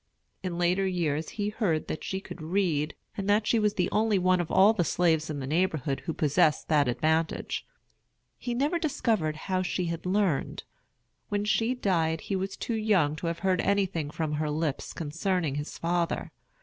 In later years he heard that she could read, and that she was the only one of all the slaves in the neighborhood who possessed that advantage. He never discovered how she had learned. When she died he was too young to have heard anything from her lips concerning his father.